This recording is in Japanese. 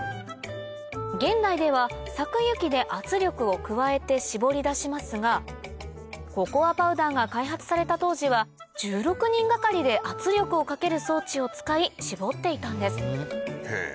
現代では搾油機で圧力を加えて絞り出しますがココアパウダーが開発された当時は１６人がかりで圧力をかける装置を使い絞っていたんです